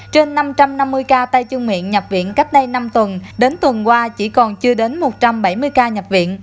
trên năm trăm năm mươi ca tay chân miệng nhập viện cách đây năm tuần đến tuần qua chỉ còn chưa đến một trăm bảy mươi ca nhập viện